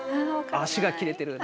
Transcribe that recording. ああ、足が切れてる。